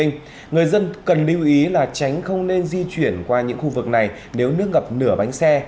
người dân cần lưu ý là tránh không nên di chuyển qua những khu vực này nếu nước ngập nửa bánh xe